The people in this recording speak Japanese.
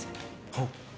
はっ。